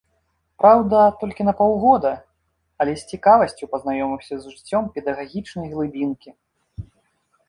Праўда, толькі на паўгода, але з цікавасцю пазнаёміўся з жыццём педагагічнай глыбінкі.